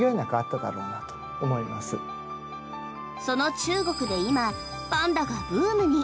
その中国で今パンダがブームに。